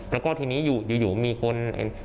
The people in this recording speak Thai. แล้วก็ทีนี้อยู่มีคน